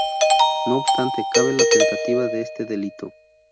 No obstante, cabe la tentativa de este delito.